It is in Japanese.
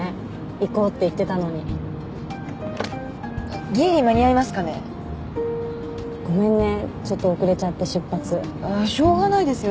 行こうって言ってたのにギリ間に合いますかねごめんねちょっと遅れちゃって出発しょうがないですよ